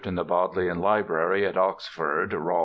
in the Bodleian Library at Oxford (Rawl.